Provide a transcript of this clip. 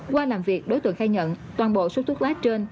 qua làm việc đối tượng khai nhận toàn bộ số thuốc lá trên